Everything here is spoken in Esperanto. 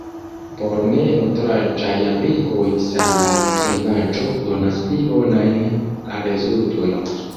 Por ne-nutraĵaj aplikoj sala solvaĵo donas pli bonajn rezultojn.